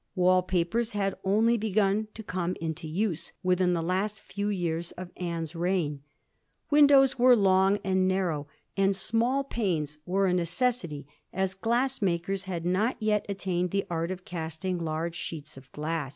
Wall papers had only begun to come into use within the last few years of Anne's reign ; windows were long and narrow, and small panes were a necessity, as glass makers had not yet attained the art of casting large sheets of glass.